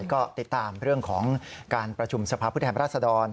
ก็ติดตามเรื่องของการประชุมสภาพุทธแห่งรัฐศาสตราน